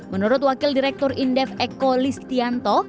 menurut wakil direktur indef eko listianto